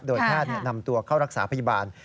โดยแพทย์นำตัวเข้ารักษาพยาบาล